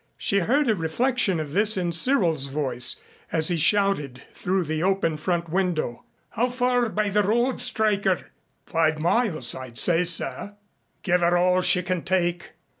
She heard a reflection of this in Cyril's voice as he shouted through the open front window. "How far by the road, Stryker?" "Five miles, I'd say, sir." "Give her all she can take."